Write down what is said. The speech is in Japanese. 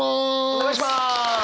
お願いします！